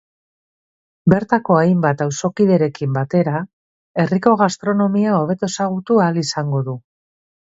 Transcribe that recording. Bertako hainbat auzokiderekin batera, herriko gastronomia hobeto ezagutu ahal izango du.